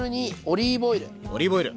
オリーブオイル。